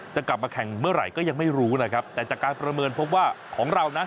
จะกลับมาแข่งเมื่อไหร่ก็ยังไม่รู้นะครับแต่จากการประเมินพบว่าของเรานั้น